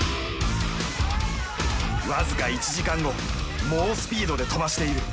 僅か１時間後猛スピードで飛ばしている。